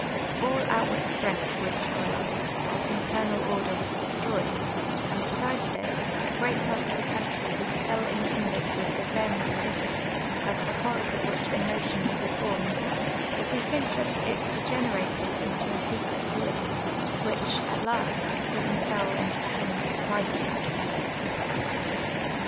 All outward strenp^h was paralysed, while internal ordi'r was destroyed ; and besides this, a great part of the country was still encumbered with the Vrhmcjorirhf, of the hoiTors of which a notion may be formed, if we think that it de<::enerated into a secret police, which, at last, even fell into the hands of private persons.